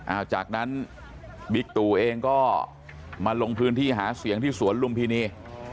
จากนั้นบิ๊กตูเองก็มาลงพื้นที่หาเสียงที่สวนลุมพินี